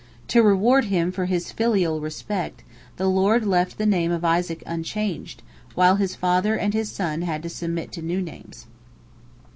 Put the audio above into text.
To reward him for his filial respect, the Lord left the name of Isaac unchanged, while his father and his son had to submit to new names.